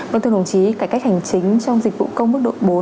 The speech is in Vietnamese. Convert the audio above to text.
vâng thưa đồng chí cải cách hành chính trong dịch vụ công mức độ bốn